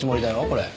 これ。